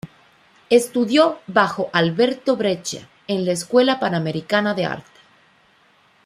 Estudió bajo Alberto Breccia en la Escuela Panamericana de Arte.